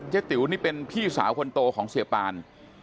ติ๋วนี่เป็นพี่สาวคนโตของเสียปาน